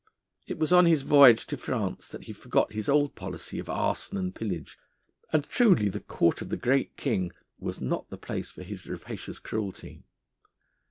It was on his voyage to France that he forgot his old policy of arson and pillage, and truly the Court of the Great King was not the place for his rapacious cruelty.